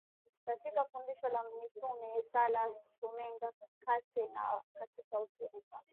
katika fundisho la mitume sala kumega mkate na katika ushirika